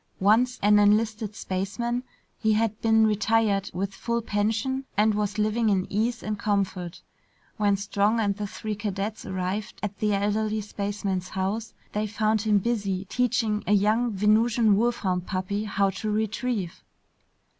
Once an enlisted spaceman, he had been retired with full pension and was living in ease and comfort. When Strong and the three cadets arrived at the elderly spaceman's house, they found him busy teaching a young Venusian wolfhound puppy how to retrieve.